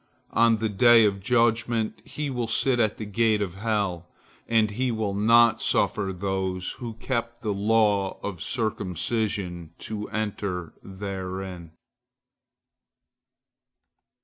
On the day of judgment he will sit at the gate of hell, and he will not suffer those who kept the law of circumcision to enter therein.